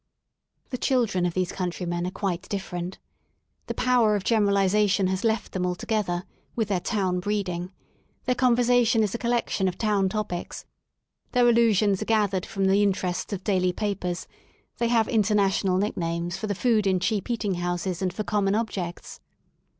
The children of these countrymen are quite different. The power of generalisation has left them altogether, with their town breeding j their conversation is a col lection of town topics, their allusions are gathered froni the interests of daily papers, they have international nicknames for the food in cheap eating houses and for common objects.